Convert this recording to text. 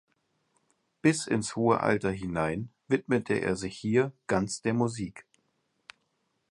Bis ins hohe Alter hinein widmete er sich hier ganz der Musik.